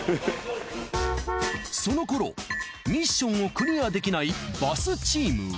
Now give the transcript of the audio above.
その頃ミッションをクリアできないバスチームは。